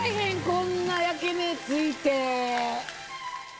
こんな焼き目ついて。